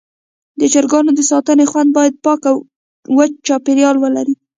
د چرګانو د ساتنې خونه باید پاکه او وچ چاپېریال ولري.